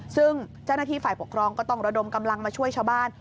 ซึ่งเจ้าหน้าที่ฝ่ายปกครองก็ต้องระดมกำลังมาช่วยชาวบ้าน